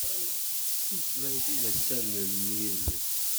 D tutlayt ay d asalel n yidles.